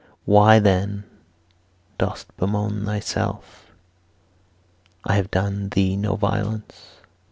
Why, then, dost bemoan thyself? I have done thee no violence.